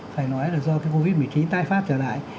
phải nói là do cái covid một mươi chín tái phát trở lại